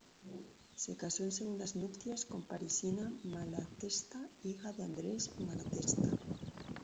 Se casó en segundas nupcias con Parisina Malatesta; hija de Andres Malatesta.